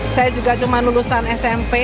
saya juga cuma lulusan smp